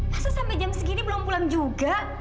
hasil sampai jam segini belum pulang juga